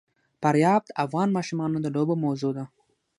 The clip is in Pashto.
فاریاب د افغان ماشومانو د لوبو موضوع ده.